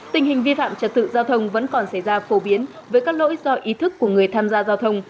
tình hình vi phạm trật tự giao thông vẫn còn xảy ra phổ biến với các lỗi do ý thức của người tham gia giao thông